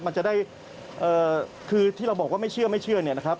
มันจะได้คือที่เราบอกว่าไม่เชื่อนะครับ